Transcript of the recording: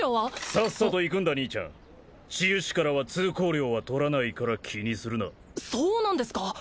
さっさと行くんだ兄ちゃん治癒士からは通行料は取らないから気にするなそうなんですか？